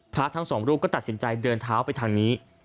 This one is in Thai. พระทั้งสองรูปก็ตัดสินใจเดินเท้าไปทางนี้